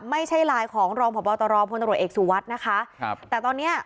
ไม่ใช่ไลน์ของรองพบตรพลตรวจเอกสุวัสดิ์นะคะครับแต่ตอนเนี้ย